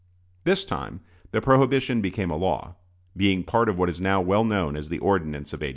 This time the prohibition became a law, being part of what is now well known as the ordinance of '87.